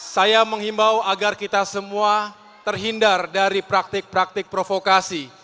saya menghimbau agar kita semua terhindar dari praktik praktik provokasi